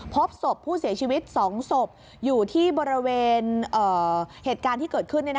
พบศพผู้เสียชีวิต๒ศพอยู่ที่บริเวณเหตุการณ์ที่เกิดขึ้น